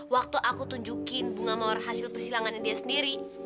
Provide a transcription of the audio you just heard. waktu aku tunjukin bunga mawar hasil persilangannya dia sendiri